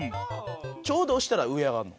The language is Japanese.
ちょうど押したら上上がるの？